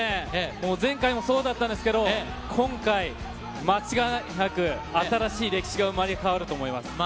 もう前回もそうだったんですけど、今回、間違いなく新しい歴史が生まれ変わると思います。